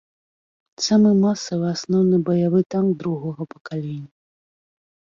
Самы масавы асноўны баявы танк другога пакалення.